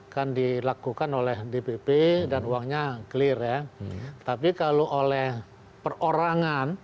kan dilakukan oleh dpp dan uangnya clear ya tapi kalau oleh perorangan